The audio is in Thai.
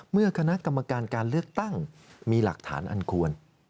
เมื่อคณะกรรมการการเลือกตั้งมีหลักฐานอันควร